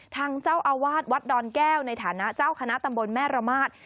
ทางเจ้าอาวาสวัดดอนแก้วในฐานะเจ้าคณะตำบลแม่ระมาท